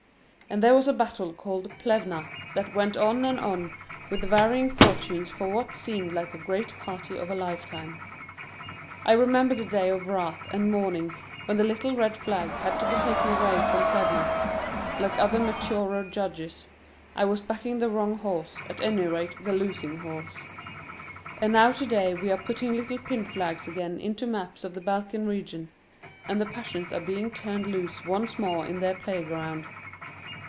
And there was a battle called Plevna that went on and on with varying fortunes for what seemed like a great part of a lifetime; I remember the day of wrath and mourning when the little red flag had to be taken away from Plevna—like other maturer judges, I was backing the wrong horse, at any rate the losing horse. And now to day we are putting little pin flags again into maps of the Balkan region, and the passions are being turned loose once more in their playground."